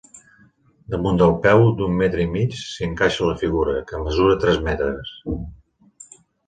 Damunt del peu, d'un metre i mig, s'hi encaixa la figura, que mesura tres metres.